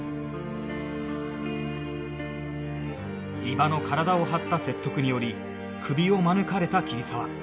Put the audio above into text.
伊庭の体を張った説得によりクビを免れた桐沢